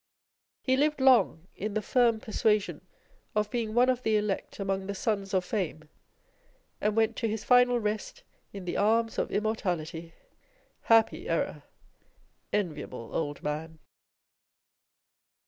He lived long in the firm persuasion of being one of the elect among the sons of Fame, and went to his final rest in the arms of Immortality ! Happy error ! Enviable old man